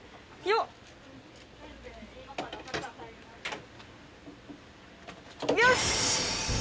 よし！